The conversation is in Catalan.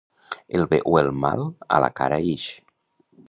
El bé o el mal a la cara ix.